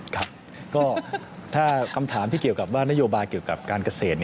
ครับก็ถ้าคำถามที่เกี่ยวกับว่านโยบายเกี่ยวกับการเกษตร